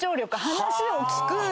話を聞く。